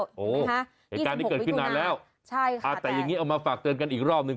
โอ้โหเหตุการณ์นี้เกิดขึ้นนานแล้วใช่ค่ะอ่าแต่อย่างนี้เอามาฝากเตือนกันอีกรอบหนึ่ง